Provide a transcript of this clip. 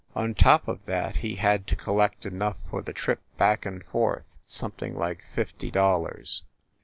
On top of that he had to collect enough for the trip back and forth something like fifty dollars.